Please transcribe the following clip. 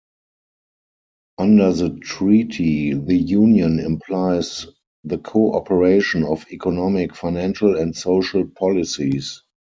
Under the Treaty the Union implies the co-operation of economic, financial and social policies.